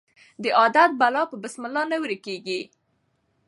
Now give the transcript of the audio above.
د عادت بلا په بسم الله نه ورکیږي.